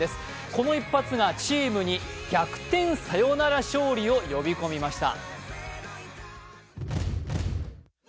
この一発がチームに逆転サヨナラ勝利を呼び込みました。